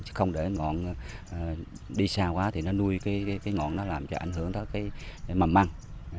chứ không để ngọn đi xa quá thì nó nuôi cái ngọn nó làm cho ảnh hưởng tới cái mầm măng